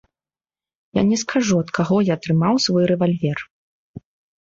Я не скажу, ад каго я атрымаў свой рэвальвер.